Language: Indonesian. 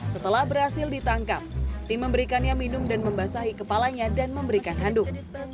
setelah berhasil ditangkap tim memberikannya minum dan membasahi kepalanya dan memberikan handuk